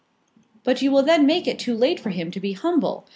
"But you will then make it too late for him to be humble.